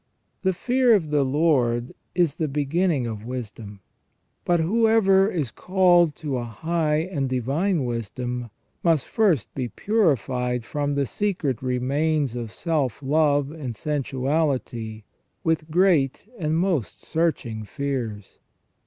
The fear of the Lord is the beginning of wisdom. But whoever is called to a high and divine wisdom must first be purified from the secret remains of self love and sensuality with great and most searching fears.